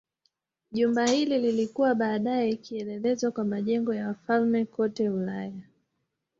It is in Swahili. Jumba hili lilikuwa baadaye kielelezo kwa majengo ya wafalme kote Ulaya.